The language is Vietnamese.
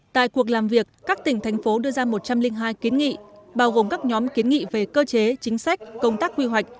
tại cuộc làm việc các tỉnh thành phố đưa ra một trăm linh hai kiến nghị bao gồm các nhóm kiến nghị về cơ chế chính sách công tác quy hoạch